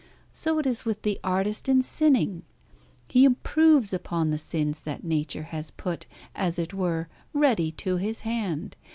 So it is with the artist in sinning. He improves upon the sins that Nature has put, as it were, ready to his hand.